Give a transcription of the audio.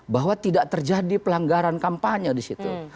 bahwa tidak terjadi pelanggaran kampanye disitu